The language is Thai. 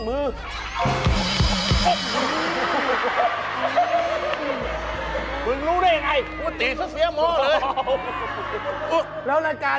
เกิดอะไรขึ้น